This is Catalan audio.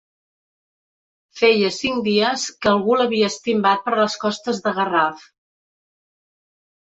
Feia cinc dies que algú l'havia estimbat per les costes de Garraf.